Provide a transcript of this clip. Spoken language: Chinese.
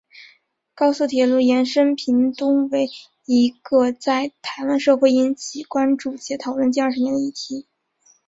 高速铁路延伸屏东为一个在台湾社会引起关注且讨论近二十年的议题。